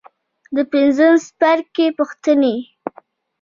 د پنځم څپرکي پوښتنې.